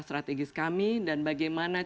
strategis kami dan bagaimana